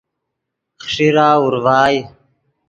خیݰیرہ اورڤائے